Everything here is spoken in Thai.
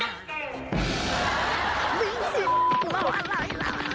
บิ๊งสิมาหลาย